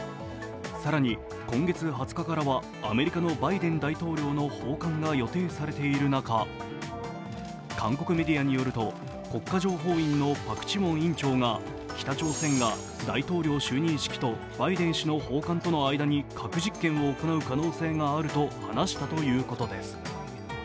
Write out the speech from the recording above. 更に、今月２０日からはアメリカのバイデン大統領の訪韓が予定されている中、韓国メディアによると、国家情報院のパク・チウォン院長が、北朝鮮が大統領就任式とバイデン氏の訪韓との間に核実験を行う可能性があると話したということです。